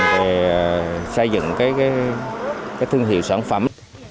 về xây dựng cái thương hiệu sản phẩm